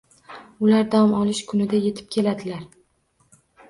Ular dam olish kunida yetib keladilar.